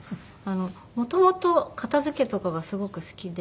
もともと片付けとかがすごく好きで。